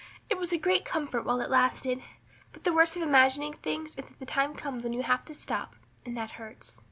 It was a great comfort while it lasted. But the worst of imagining things is that the time comes when you have to stop and that hurts."